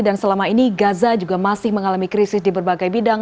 dan selama ini gaza juga masih mengalami krisis di berbagai bidang